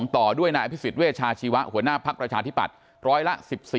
ต่อด้วยนายอภิษฎเวชาชีวะหัวหน้าภักดิ์ประชาธิปัตย์ร้อยละ๑๔